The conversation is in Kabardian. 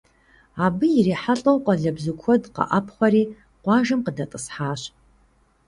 Абы ирихьэлӀэу къуалэбзу куэд къэӀэпхъуэри къуажэм къыдэтӀысхьащ.